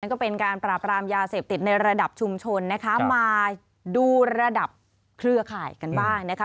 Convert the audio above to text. ก็เป็นการปราบรามยาเสพติดในระดับชุมชนนะคะมาดูระดับเครือข่ายกันบ้างนะคะ